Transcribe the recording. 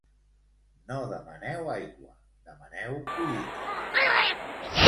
No demaneu aigua, demaneu collites.